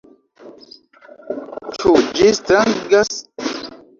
Ĉu ĝi strangas?